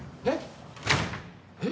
えっ？